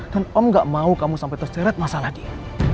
kan om gak mau kamu sampai terseret masalah dia